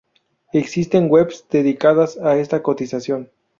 Existen webs dedicadas a esta cotización.